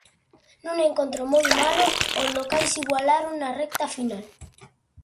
Nun encontro moi malo, os locais igualaron na recta final.